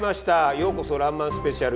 「ようこそらんまんスペシャル」。